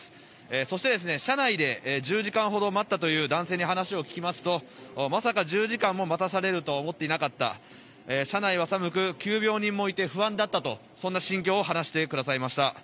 そして車内で１０時間ほど待ったという男性に話を聞きますと、まさか１０時間も待たされるとは思っていなかった、車内は寒く急病人もいて不安だったと、そんな心境を話してくださいました。